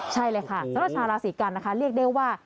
ใช่เลยค่ะชาวราศีกัณฑ์เรียกได้ว่า